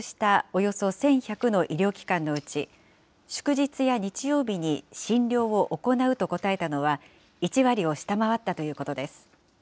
およそ１１００の医療機関のうち、祝日や日曜日に診療を行うと答えたのは、１割を下回ったということです。